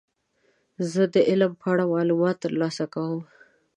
زه د علم په اړه معلومات ترلاسه کوم.